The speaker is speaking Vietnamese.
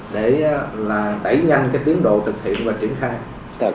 để là đẩy nhanh cái tiến độ thực hiện và triển khai